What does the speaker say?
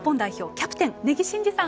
キャプテン根木慎志さん